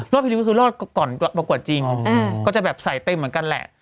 ทีเดียวก็คือรอดก่อนประกวดจริงก็จะแบบใส่เต็มเหมือนกันแหละ